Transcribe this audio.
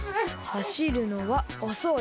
「はしるのはおそい」。